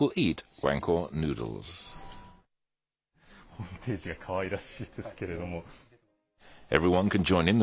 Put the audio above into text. ホームページがかわいらしいですけど。